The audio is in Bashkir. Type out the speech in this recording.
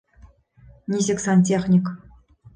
Нисек сантехник?